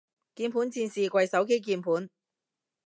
鍵盤戰士跪手機鍵盤